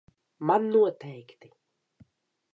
Man noteikti.